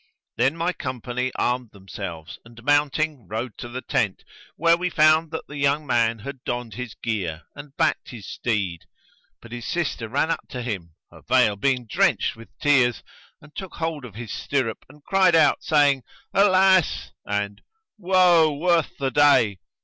Then my company armed themselves and mounting, rode to the tent, where we found that the young man had donned his gear and backed his steed; but his sister ran up to him (her veil being drenched with tears), and took hold of his stirrup and cried out, saying, "Alas!" and, "Woe worth the day!"